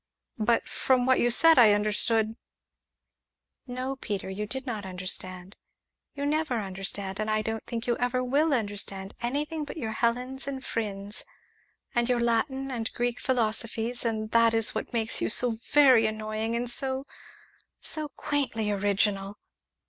"But from what you said I understood " "No, Peter, you did not understand; you never understand, and I don't think you ever will understand anything but your Helens and Phrynes and your Latin and Greek philosophies, and that is what makes you so very annoying, and so so quaintly original!"